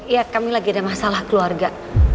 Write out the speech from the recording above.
ya kami lagi ada masalah keluarga